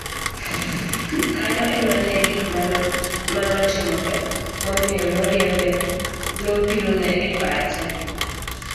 kanyo ema ne gik manotimore momiyo noriembe nobirone e pache